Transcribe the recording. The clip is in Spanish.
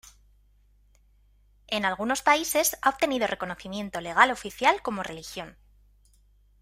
En algunos países ha obtenido reconocimiento legal oficial como religión.